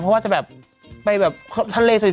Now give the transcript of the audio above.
เพราะว่าจะแบบไปแบบทะเลสวย